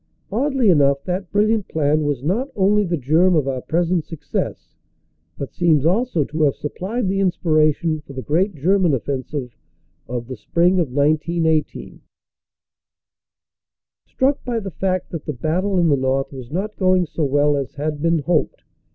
Oddly enough that brilliant plan was not only the germ of our present success, but seems also to have supplied the inspiration for the great German offensive of the spring of 1918. Struck by the fact that the battle in the north was not going so well as had been hoped.